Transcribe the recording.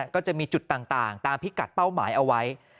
ก็จะมีจุดต่างตามพิกัดเป้าหมายเอาไว้